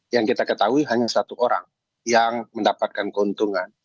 yang kita ketahui hanya satu orang yang mendapatkan keuntungan